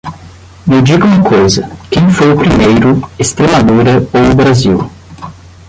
Me diga uma coisa, quem foi o primeiro, Extremadura ou o Brasil?